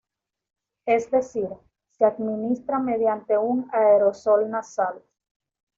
Es decir, se administra mediante un aerosol nasal.